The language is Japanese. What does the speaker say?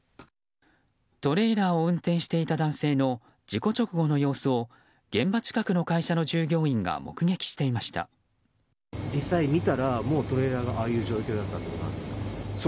トレーラーを運転していた男性の事故直後の様子を現場近くの会社の従業員が目撃していました。